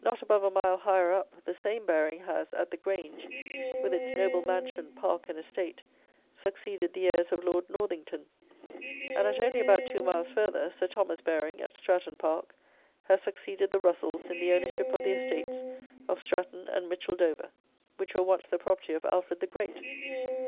Not above a mile higher up, the same Baring has, at the Grange, with its noble mansion, park and estate, succeeded the heirs of Lord Northington; and at only about two miles further, Sir Thomas Baring, at Stratton Park, has succeeded the Russells in the ownership of the estates of Stratton and Micheldover, which were once the property of Alfred the Great!